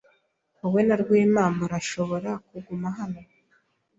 Wowe na Rwema murashobora kuguma hano.